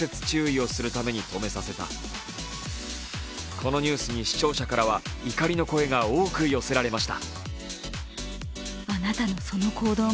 このニュースに視聴者からは怒りの声が多く寄せられました。